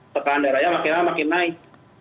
tekanan darahnya makin naik